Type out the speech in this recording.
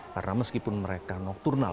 karena meskipun mereka nokturnya